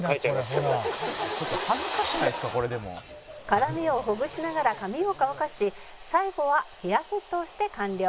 「絡みをほぐしながら髪を乾かし最後はヘアセットをして完了」